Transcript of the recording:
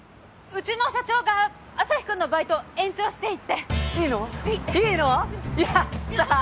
うちの社長がアサヒくんのバイト延長していいって。いいの？いいの！？